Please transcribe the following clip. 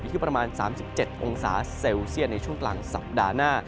ที่ประมาณ๓๗องศาเซลเซียตในช่วงกลางสัปดาห์หน้า